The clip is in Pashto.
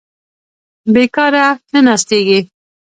بېکاره نه ناستېږي.